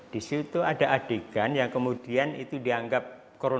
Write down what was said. di situ ada adegan yang kemudian itu dianggap korupsi